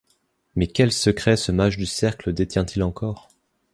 Mais quels secrets ce mage du cercle détient-il encore?